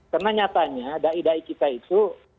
karena nyatanya da'i da'i kita itu